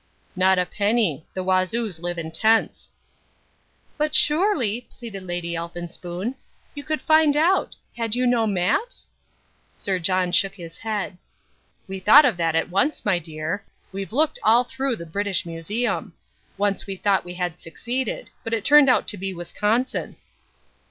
"Not a penny. The Wazoos live in tents." "But, surely," pleaded Lady Elphinspoon, "you could find out. Had you no maps?" Sir John shook his head. "We thought of that at once, my dear. We've looked all through the British Museum. Once we thought we had succeeded. But it turned out to be Wisconsin."